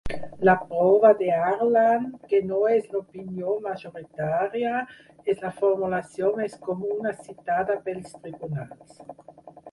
La prova de Harlan, que no és l'opinió majoritària, és la formulació més comuna citada pels tribunals.